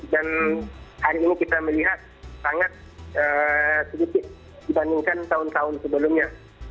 dan hari ini kita melihat sangat sedikit dibandingkan tahun tahun sebelumnya